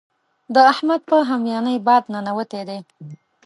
د احمد په هميانۍ باد ننوتی دی.